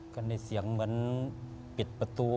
ก็ได้เสียงเหมือนปิดประตู